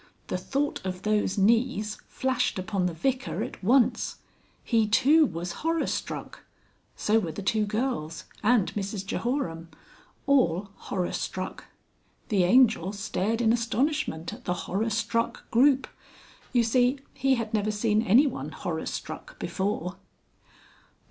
The thought of those knees flashed upon the Vicar at once. He too was horrorstruck. So were the two girls and Mrs Jehoram. All horrorstruck. The Angel stared in astonishment at the horrorstruck group. You see, he had never seen anyone horrorstruck before.